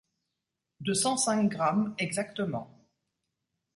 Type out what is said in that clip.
De cent cinq grammes, exactement.